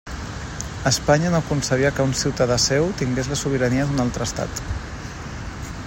Espanya no concebia que un ciutadà seu tingués la sobirania d'un altre estat.